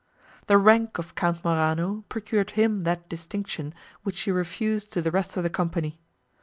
The rank of Count Morano procured him that distinction which she refused to the rest of the company.